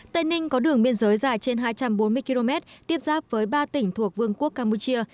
tây ninh có đường biên giới dài trên hai trăm bốn mươi km tiếp giáp với ba tỉnh thuộc vương quốc campuchia